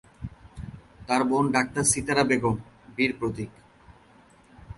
তার বোন ডাক্তার সিতারা বেগম, বীর প্রতীক।